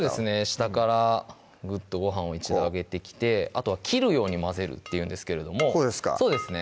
下からぐっとご飯を一度上げてきてあとは切るように混ぜるっていうんですけれどもこうですか？